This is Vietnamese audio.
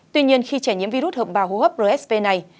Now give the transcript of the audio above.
tuy nhiên khi trẻ nhiễm virus hợp bào hô hấp rsv này